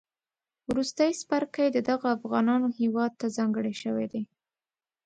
وروستی څپرکی د دغو افغانانو هیواد تهځانګړی شوی دی